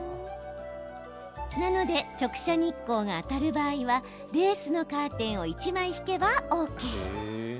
なので、直射日光が当たる場合はレースのカーテンを１枚、引けばＯＫ。